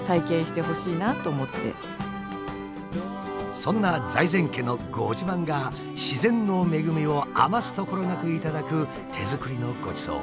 そんな財前家のご自慢が自然の恵みを余すところなく頂く手作りのごちそう。